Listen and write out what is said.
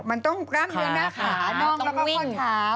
มันต้องกล้ามเนื้อหน้าขาน่องแล้วก็ข้อเท้า